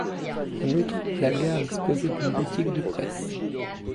En outre, la gare disposait d'une boutique de presse.